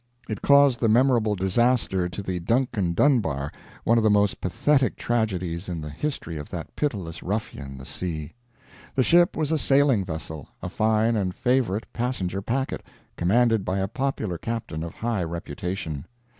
It caused the memorable disaster to the Duncan Dunbar, one of the most pathetic tragedies in the history of that pitiless ruffian, the sea. The ship was a sailing vessel; a fine and favorite passenger packet, commanded by a popular captain of high reputation.